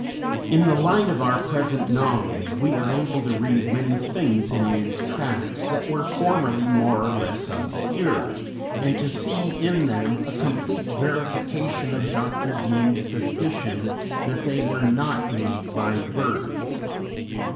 ] In the light of our present knowledge we are able to read many things in these tracks that were formerly more or less obscure, and to see in them a complete verification of Dr. Deane's suspicion that they were not made by birds.